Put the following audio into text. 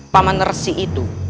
paman nersi itu